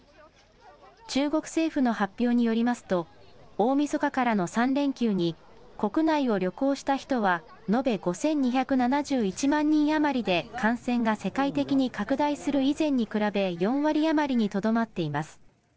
中国政府の発表によりますと、大みそかからの３連休に、国内を旅行した人は、延べ５２７１万人余りで、感染が世界的に拡大する以前に比べ、４割余りにとどまっています。